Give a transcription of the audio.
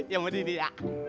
ya mbak dini ya